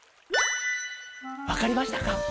わかりましたか？